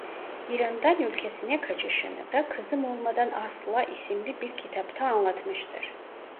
İran'dan ülkesine kaçışını da Kızım Olmadan Asla isimli bir kitapta anlatmıştır.